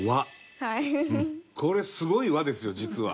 これすごい輪ですよ実は。